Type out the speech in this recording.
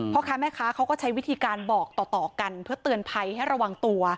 พ่อค้าแม่ค้าเขาก็ใช้วิธีการบอกต่อกันเพื่อเตือนภัยให้ระวังตัว